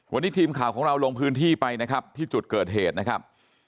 วันนี้ทีมข่าวของเราลงพื้นที่ไปนะครับที่จุดเกิดเหตุนะครับ